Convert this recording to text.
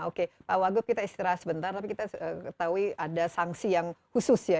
oke pak wagub kita istirahat sebentar tapi kita ketahui ada sanksi yang khusus ya